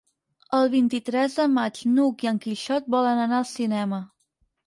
El vint-i-tres de maig n'Hug i en Quixot volen anar al cinema.